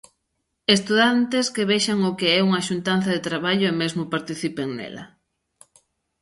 Estudantes que vexan o que é unha xuntanza de traballo e mesmo participen nela.